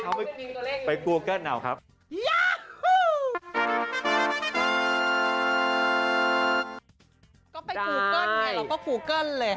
ก็ไปฟูเกิ้ลไงเราก็คูเกิ้ลเลย